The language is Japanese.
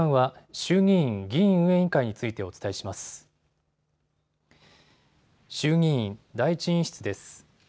衆議院第１委員室です。